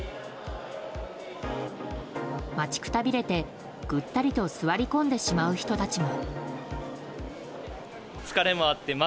待ちくたびれて、ぐったりと座り込んでしまう人たちも。